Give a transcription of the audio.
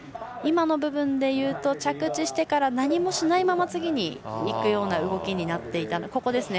今の部分で言うと着地してから何もしないまま次に行くような動きになっていたので。